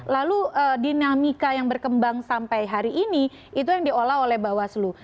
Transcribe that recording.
lalu dinamika yang berkembang sampai hari ini itu yang diolah oleh bawaslu